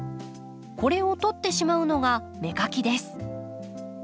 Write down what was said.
これを取ってしまうのが芽かきです。